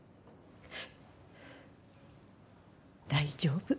大丈夫。